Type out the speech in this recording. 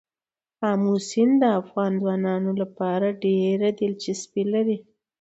آمو سیند د افغان ځوانانو لپاره ډېره دلچسپي لري.